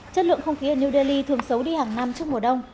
chất lượng không khí ở new delhi thường xấu đi hàng năm trước mùa đông